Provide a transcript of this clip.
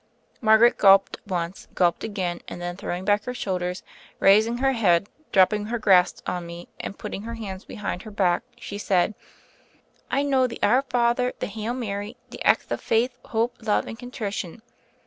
Margaret gulped once, gulped again, and then throwing back her shoulders, raising her head, dropping her grasp on me, and putting her hands behind her back, she said : "I know the Our Father, the Hail Mary, the Ax of Faith, Hope, Love, and Contrition."